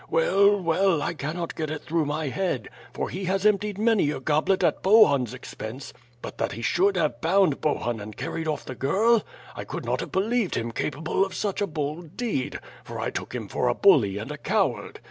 Well, well, I cannot get it through my head, for he has emptied many a goblet at Bohun's expense; but that he should have XVITH FIRE AND SWORD, 297 bound Bohun and carried off the girl; I could not have be lieved him capable of such a bold deed, for I took him for a bully and a coward.